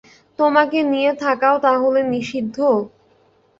তোমাকে নিয়ে থাকাও তা হলে নিষিদ্ধ?